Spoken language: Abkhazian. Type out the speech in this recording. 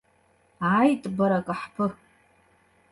Ааит, бара акаҳԥы!